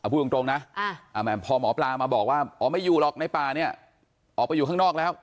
พูดตรงนะพอหมอปลามาบอกว่าอ๋อไม่อยู่หรอกในป่าเนี่ยออกไปอยู่ข้างนอกแล้ว